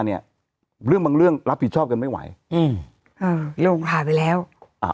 เนี้ยเรื่องบางเรื่องรับผิดชอบกันไม่ไหวอืมอ่าลงข่าวไปแล้วอ่า